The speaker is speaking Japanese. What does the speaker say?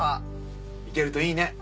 いけるといいね。